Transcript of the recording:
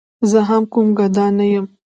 زه هم کوم ګدا نه یم.